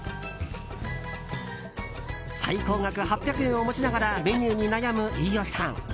最高額８００円を持ちながらメニューに悩む飯尾さん。